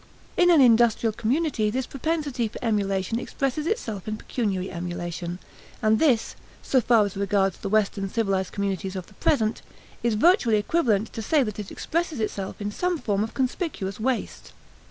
In an industrial community this propensity for emulation expresses itself in pecuniary emulation; and this, so far as regards the Western civilized communities of the present, is virtually equivalent to saying that it expresses itself in some form of conspicuous waste.